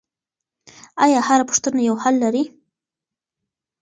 آیا هره پوښتنه یو حل لري؟